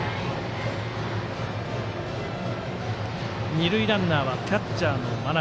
二塁ランナーはキャッチャーの真鍋。